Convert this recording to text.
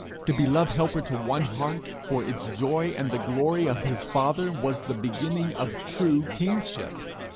To be love helper to one heart, for its joy, and the glory of his father, was the beginning of true kingship!